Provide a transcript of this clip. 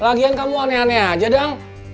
bagian kamu aneh aneh aja dang